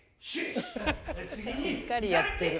しっかりやってる。